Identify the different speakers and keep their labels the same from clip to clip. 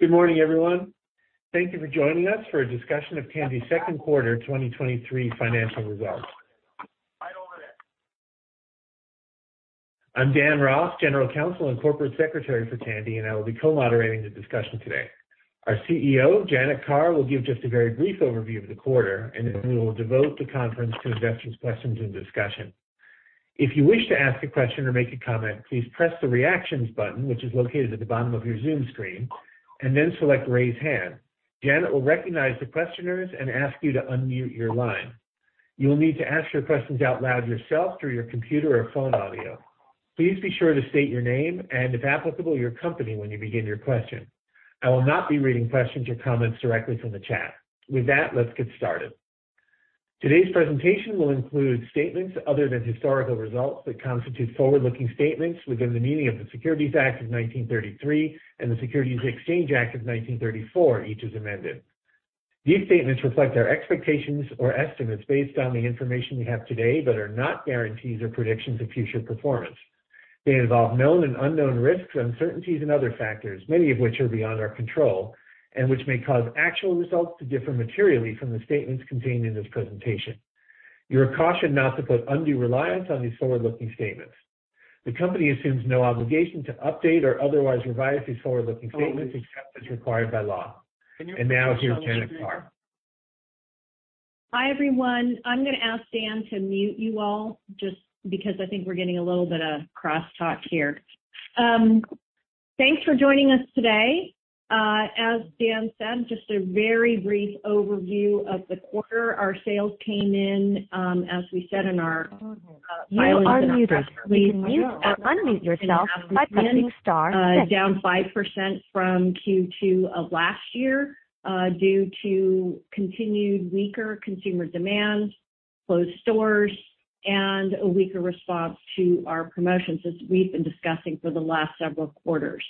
Speaker 1: Good morning, everyone. Thank you for joining us for a discussion of Tandy's Q2 2023 financial results. I'm Dan Ross, General Counsel and Corporate Secretary for Tandy, and I will be co-moderating the discussion today. Our CEO, Janet Carr, will give just a very brief overview of the quarter, and then we will devote the conference to investors' questions and discussion. If you wish to ask a question or make a comment, please press the Reactions button, which is located at the bottom of your Zoom screen, and then select Raise Hand. Janet will recognize the questioners and ask you to unmute your line. You will need to ask your questions out loud yourself through your computer or phone audio. Please be sure to state your name and, if applicable, your company when you begin your question. I will not be reading questions or comments directly from the chat. With that, let's get started. Today's presentation will include statements other than historical results that constitute forward-looking statements within the meaning of the Securities Act of 1933 and the Securities Exchange Act of 1934, each as amended. These statements reflect our expectations or estimates based on the information we have today but are not guarantees or predictions of future performance. They involve known and unknown risks, uncertainties and other factors, many of which are beyond our control, and which may cause actual results to differ materially from the statements contained in this presentation. You are cautioned not to put undue reliance on these forward-looking statements. The company assumes no obligation to update or otherwise revise these forward-looking statements except as required by law. Now, here's Janet Carr.
Speaker 2: Hi, everyone. I'm gonna ask Dan to mute you all, just because I think we're getting a little bit of cross-talk here. Thanks for joining us today. As Dan said, just a very brief overview of the quarter. Our sales came in, as we said in our filings- You are muted. Please mute or unmute yourself by pressing star six. Down 5% from Q2 of last year, due to continued weaker consumer demand, closed stores, and a weaker response to our promotions, as we've been discussing for the last several quarters.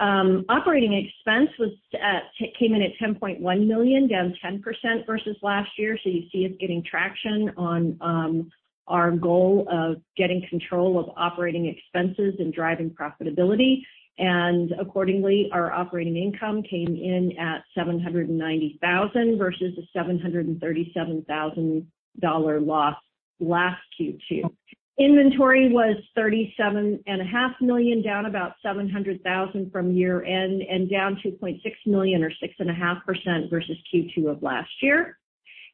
Speaker 2: Operating expense came in at $10.1 million, down 10% versus last year. You see us getting traction on our goal of getting control of operating expenses and driving profitability. Accordingly, our operating income came in at $790,000 versus a $737,000 loss last Q2. Inventory was $37.5 million, down about $700,000 from year-end, and down $2.6 million or 6.5% versus Q2 of last year.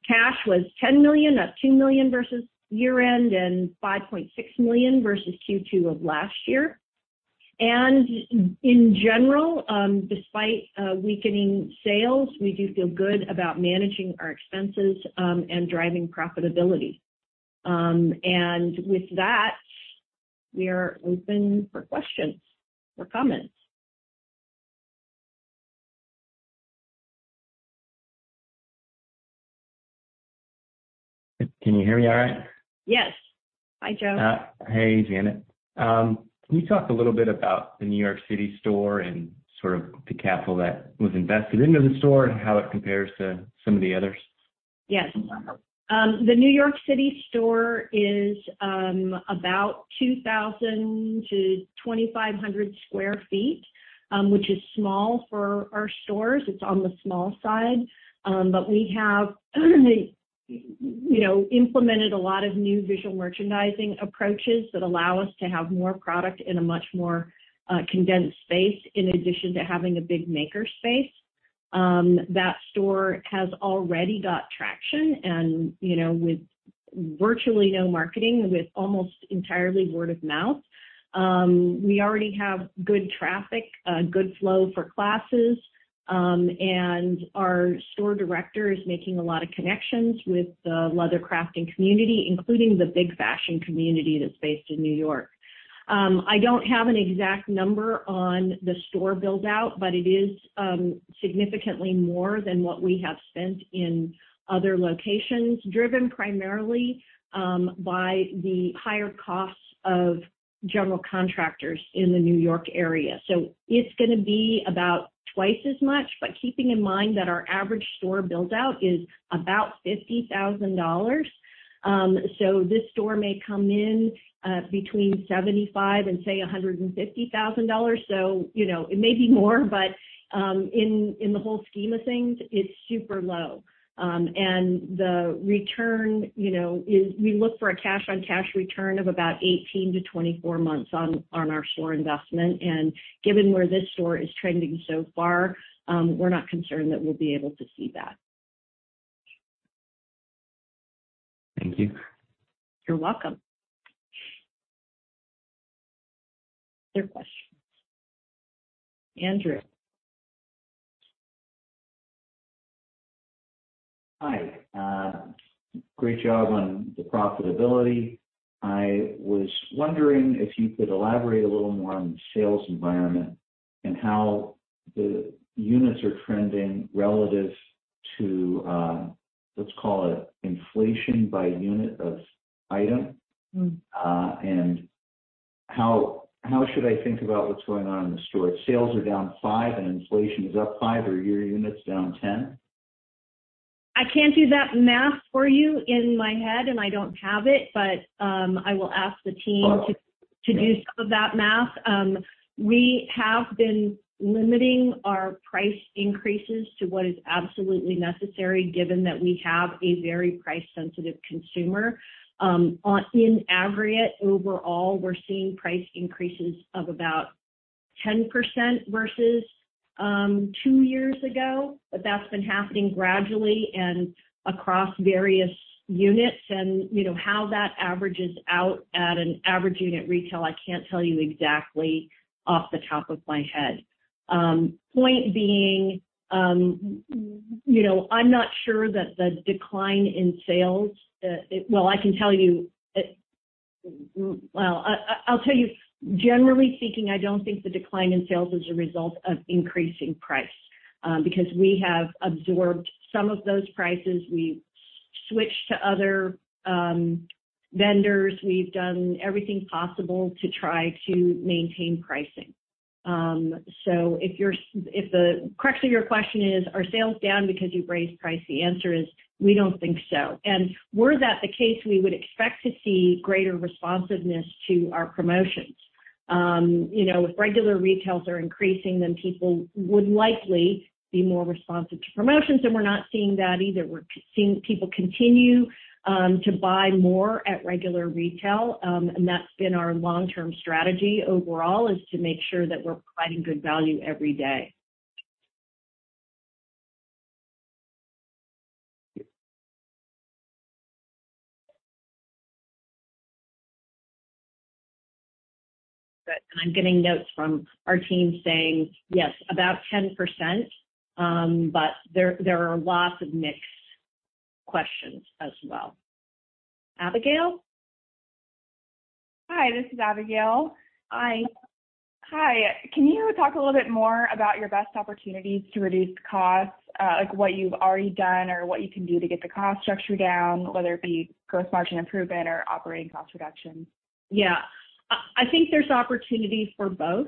Speaker 2: Cash was $10 million, up $2 million versus year-end, and $5.6 million versus Q2 of last year. In general, despite weakening sales, we do feel good about managing our expenses and driving profitability. With that, we are open for questions or comments.
Speaker 3: Can you hear me all right?
Speaker 2: Yes. Hi, Joe.
Speaker 3: hey, Janet, can you talk a little bit about the New York City store and sort of the capital that was invested into the store and how it compares to some of the others?
Speaker 2: Yes. The New York City store is about 2,000 to 2,500 sq ft, which is small for our stores. It's on the small side. We have, you know, implemented a lot of new visual merchandising approaches that allow us to have more product in a much more condensed space, in addition to having a big maker space. That store has already got traction and, you know, with virtually no marketing, with almost entirely word of mouth. We already have good traffic, good flow for classes, and our store director is making a lot of connections with the leather crafting community, including the big fashion community that's based in New York. I don't have an exact number on the store build-out, but it is significantly more than what we have spent in other locations, driven primarily by the higher costs of general contractors in the New York area. It's gonna be about twice as much, but keeping in mind that our average store build-out is about $50,000. This store may come in between $75,000 and, say, $150,000. It may be more, but in the whole scheme of things, it's super low. The return is. We look for a cash-on-cash return of about 18 to 24 months on our store investment, and given where this store is trending so far, we're not concerned that we'll be able to see that.
Speaker 3: Thank you.
Speaker 2: You're welcome. Other questions? Andrew.
Speaker 4: Hi. great job on the profitability. I was wondering if you could elaborate a little more on the sales environment and how the units are trending relative to, let's call it inflation by unit of item? How, how should I think about what's going on in the store? If sales are down 5 and inflation is up 5, are your units down 10?
Speaker 2: I can't do that math for you in my head, and I don't have it, but I will ask the team to, to do some of that math. We have been limiting our price increases to what is absolutely necessary, given that we have a very price-sensitive consumer. On-- in aggregate, overall, we're seeing price increases of about 10% versus 2 years ago. That's been happening gradually and across various units. You know, how that averages out at an average unit retail, I can't tell you exactly off the top of my head. Point being, you know, I'm not sure that the decline in sales, well, I can tell you, well, I, I, I'll tell you, generally speaking, I don't think the decline in sales is a result of increasing price. Because we have absorbed some of those prices. We've switched to other vendors. We've done everything possible to try to maintain pricing. If you're, if the crux of your question is, are sales down because you've raised price? The answer is, we don't think so. Were that the case, we would expect to see greater responsiveness to our promotions. You know, if regular retails are increasing, then people would likely be more responsive to promotions, and we're not seeing that either. We're seeing people continue to buy more at regular retail. That's been our long-term strategy overall, is to make sure that we're providing good value every day. Good. I'm getting notes from our team saying, yes, about 10%, but there, there are lots of mixed questions as well. Abigail?
Speaker 5: Hi, this is Abigail.
Speaker 2: Hi.
Speaker 5: Hi, can you talk a little bit more about your best opportunities to reduce costs, like what you've already done or what you can do to get the cost structure down, whether it be gross margin improvement or operating cost reduction?
Speaker 2: Yeah. I, I think there's opportunity for both.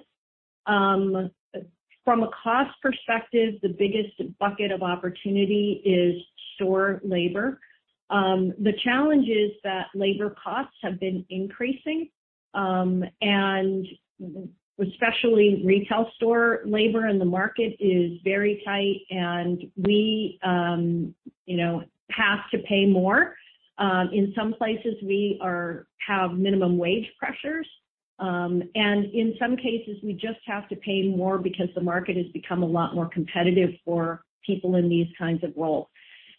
Speaker 2: From a cost perspective, the biggest bucket of opportunity is store labor. The challenge is that labor costs have been increasing, and especially retail store labor, and the market is very tight, and we, you know, have to pay more. In some places we are, have minimum wage pressures, and in some cases, we just have to pay more because the market has become a lot more competitive for people in these kinds of roles.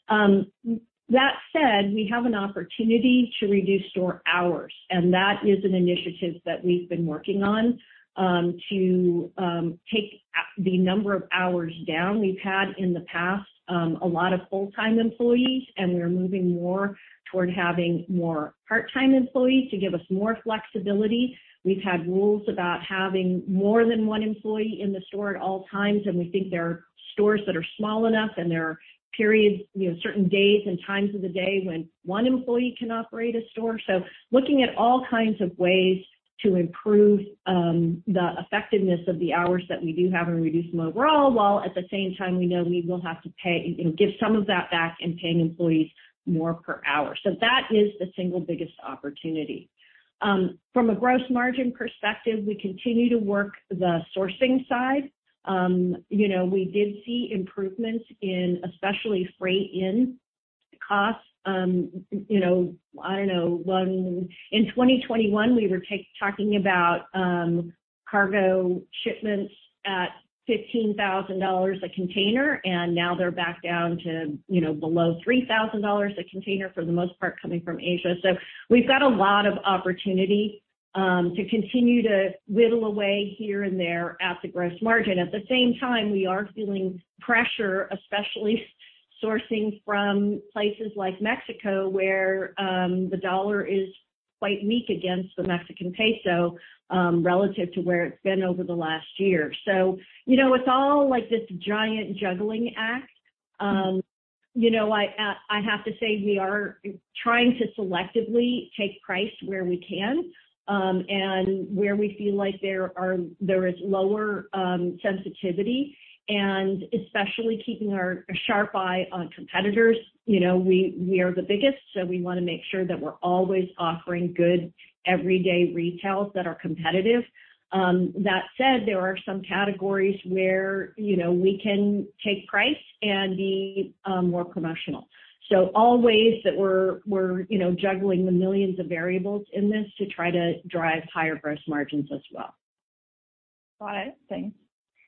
Speaker 2: That said, we have an opportunity to reduce store hours, and that is an initiative that we've been working on, to take the number of hours down. We've had in the past, a lot of full-time employees, and we are moving more toward having more part-time employees to give us more flexibility. We've had rules about having more than one employee in the store at all times, and we think there are stores that are small enough and there are periods, you know, certain days and times of the day when one employee can operate a store. Looking at all kinds of ways to improve the effectiveness of the hours that we do have and reduce them overall, while at the same time we know we will have to pay, you know, give some of that back and paying employees more per hour. That is the single biggest opportunity. From a gross margin perspective, we continue to work the sourcing side. You know, we did see improvements in, especially freight-in costs. you know, I don't know, in 2021, we were talking about cargo shipments at $15,000 a container, and now they're back down to, you know, below $3,000 a container for the most part, coming from Asia. We've got a lot of opportunity to continue to whittle away here and there at the gross margin. At the same time, we are feeling pressure, especially sourcing from places like Mexico, where the dollar is quite weak against the Mexican peso, relative to where it's been over the last year. you know, it's all like this giant juggling act. You know, I have to say, we are trying to selectively take price where we can, and where we feel like there are, there is lower sensitivity and especially keeping our, a sharp eye on competitors. You know, we, we are the biggest, we wanna make sure that we're always offering good everyday retails that are competitive. That said, there are some categories where, you know, we can take price and be more promotional. All ways that we're, we're, you know, juggling the millions of variables in this to try to drive higher gross margins as well.
Speaker 5: Got it. Thanks.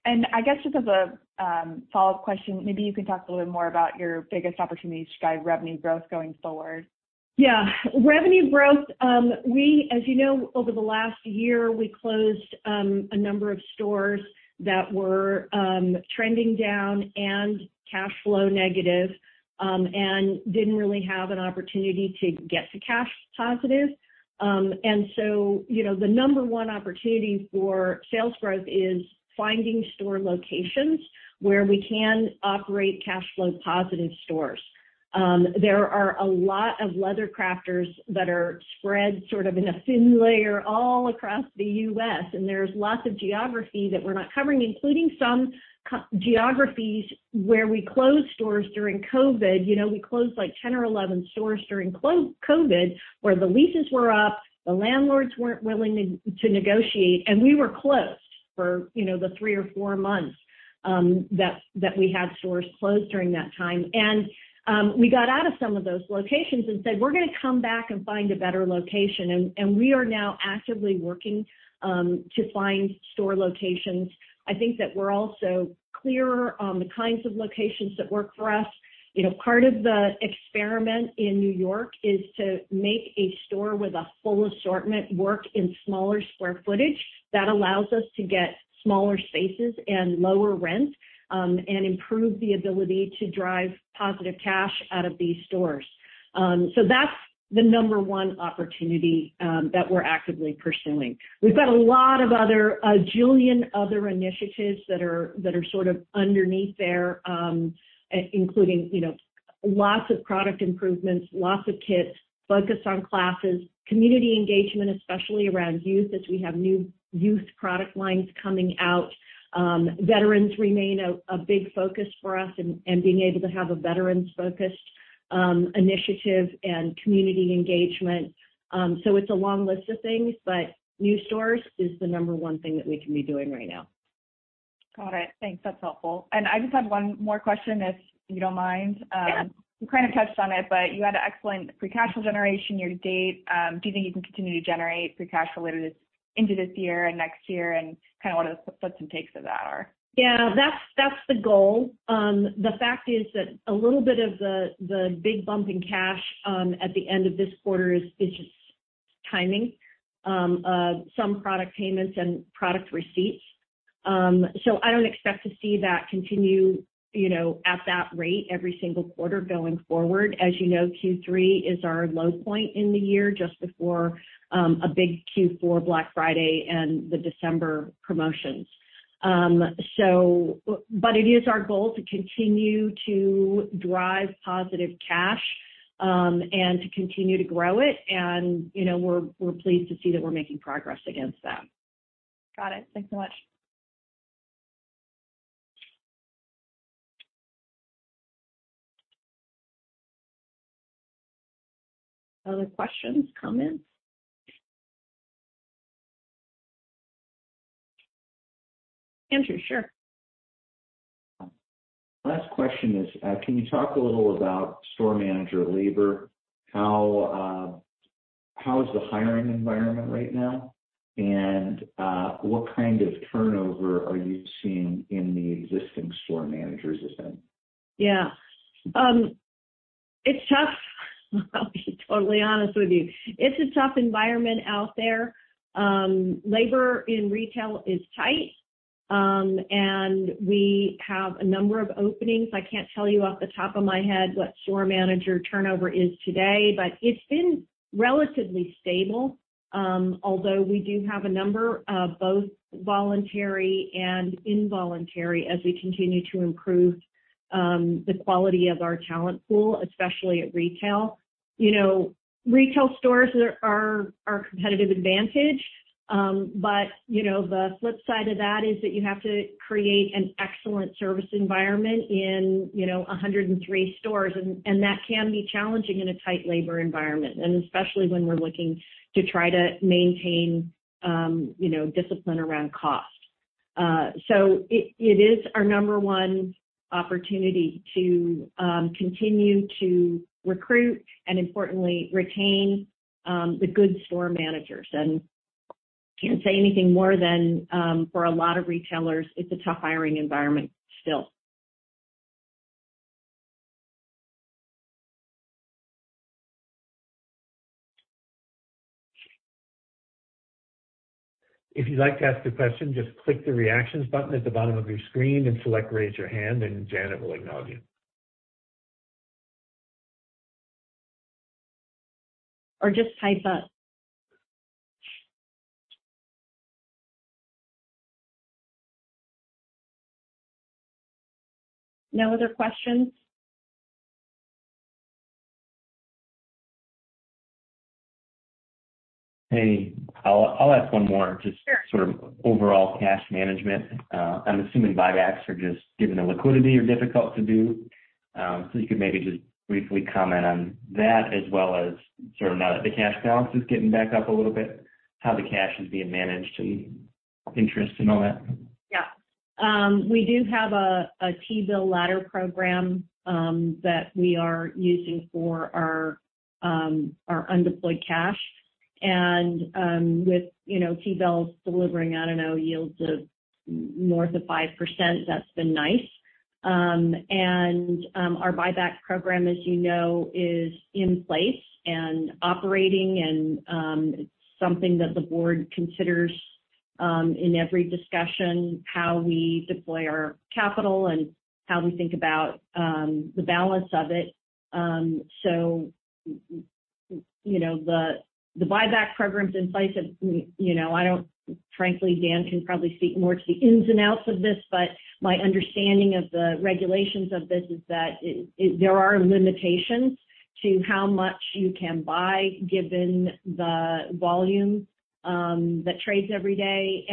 Speaker 5: I guess just as a follow-up question, maybe you can talk a little bit more about your biggest opportunities to drive revenue growth going forward.
Speaker 2: Yeah, revenue growth, we as you know, over the last year, we closed, a number of stores that were, trending down and cash flow negative, and didn't really have an opportunity to get to cash positive. So, you know, the number one opportunity for sales growth is finding store locations where we can operate cash flow positive stores. There are a lot of leather crafters that are spread sort of in a thin layer all across the US, and there's lots of geography that we're not covering, including some co- geographies where we closed stores during COVID. You know, we closed, like, 10 or 11 stores during COVID, where the leases were up, the landlords weren't willing to, to negotiate, and we were closed for, you know, the three or four months, that, that we had stores closed during that time. We got out of some of those locations and said, "We're gonna come back and find a better location." We are now actively working to find store locations. I think that we're also clearer on the kinds of locations that work for us. You know, part of the experiment in New York is to make a store with a full assortment work in smaller square footage. That allows us to get smaller spaces and lower rent, and improve the ability to drive positive cash out of these stores. So that's the number one opportunity that we're actively pursuing. We've got a lot of other... a jillion other initiatives that are, that are sort of underneath there, including, you know, lots of product improvements, lots of kits, focus on classes, community engagement, especially around youth, as we have new youth product lines coming out. veterans remain a, a big focus for us and, and being able to have a veterans-focused initiative and community engagement. It's a long list of things, but new stores is the number one thing that we can be doing right now.
Speaker 5: Got it. Thanks, that's helpful. I just had one more question, if you don't mind.
Speaker 2: Yeah.
Speaker 5: You kind of touched on it, but you had excellent free cash flow generation year to date. Do you think you can continue to generate free cash flow later this, into this year and next year? Kind of what are the puts and takes of that are?
Speaker 2: Yeah, that's, that's the goal. The fact is that a little bit of the, the big bump in cash at the end of this quarter is, is just timing, some product payments and product receipts. I don't expect to see that continue, you know, at that rate every single quarter going forward. As you know, Q3 is our low point in the year, just before a big Q4 Black Friday and the December promotions. But it is our goal to continue to drive positive cash, and to continue to grow it, and, you know, we're, we're pleased to see that we're making progress against that.
Speaker 5: Got it. Thanks so much.
Speaker 2: Other questions, comments? Andrew, sure.
Speaker 4: Last question is, can you talk a little about store manager labor? How, how is the hiring environment right now, and what kind of turnover are you seeing in the existing store managers then?
Speaker 2: Yeah. It's tough. I'll be totally honest with you, it's a tough environment out there. Labor in retail is tight, and we have a number of openings. I can't tell you off the top of my head what store manager turnover is today, but it's been relatively stable. Although we do have a number of both voluntary and involuntary, as we continue to improve, the quality of our talent pool, especially at retail. You know, retail stores are our, our competitive advantage, but, you know, the flip side of that is that you have to create an excellent service environment in, you know, 103 stores, and that can be challenging in a tight labor environment, and especially when we're looking to try to maintain, you know, discipline around cost. It, it is our number one opportunity to continue to recruit and importantly, retain, the good store managers. Can't say anything more than, for a lot of retailers, it's a tough hiring environment still.
Speaker 1: If you'd like to ask a question, just click the Reactions button at the bottom of your screen and select Raise Your Hand, and Janet will acknowledge you.
Speaker 2: Just type up. No other questions?
Speaker 3: Hey, I'll, I'll ask one more-
Speaker 2: Sure.
Speaker 3: Just sort of overall cash management. I'm assuming buybacks are just, given the liquidity, are difficult to do. You could maybe just briefly comment on that, as well as sort of now that the cash balance is getting back up a little bit, how the cash is being managed, and interest and all that?
Speaker 2: Yeah. We do have a T-bill ladder program that we are using for our undeployed cash. With, you know, T-bills delivering, I don't know, yields of north of 5%, that's been nice. Our buyback program, as you know, is in place and operating, it's something that the board considers in every discussion, how we deploy our capital and how we think about the balance of it. You know, the buyback programs in place, and, you know, I don't... frankly, Dan can probably speak more to the ins and outs of this, but my understanding of the regulations of this is that there are limitations to how much you can buy, given the volume that trades every day.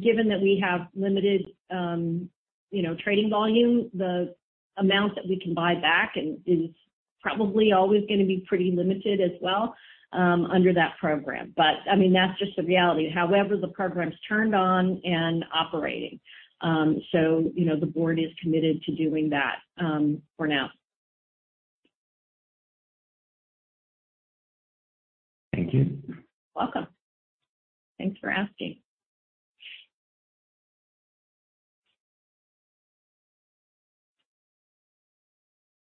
Speaker 2: given that we have limited, you know, trading volume, the amount that we can buy back and, is probably always gonna be pretty limited as well, under that program. I mean, that's just the reality. However, the program's turned on and operating, you know, the board is committed to doing that, for now.
Speaker 3: Thank you.
Speaker 2: Welcome. Thanks for asking.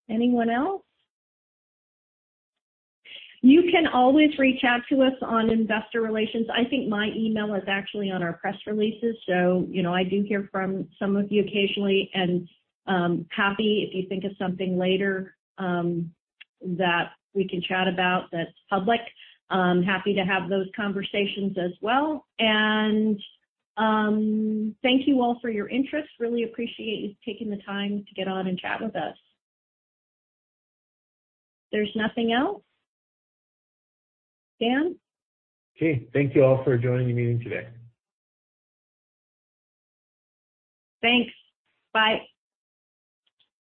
Speaker 2: Anyone else? You can always reach out to us on Investor Relations. I think my email is actually on our press releases, so, you know, I do hear from some of you occasionally, and happy if you think of something later, that we can chat about that's public, happy to have those conversations as well. Thank you all for your interest. Really appreciate you taking the time to get on and chat with us. There's nothing else? Dan?
Speaker 1: Okay. Thank you all for joining the meeting today.
Speaker 2: Thanks. Bye.